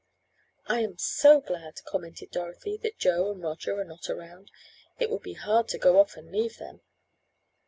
"I am so glad," commented Dorothy, "that Joe and Roger are not around, it would be hard to go off and leave them."